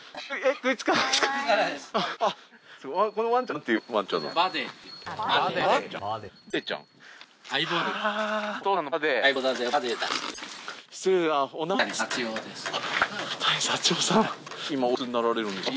食いつかないですか？